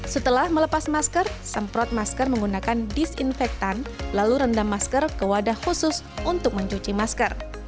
setelah melepas masker semprot masker menggunakan disinfektan lalu rendam masker ke wadah khusus untuk mencuci masker